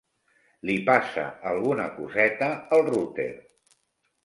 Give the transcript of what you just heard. Li passa alguna coseta al router.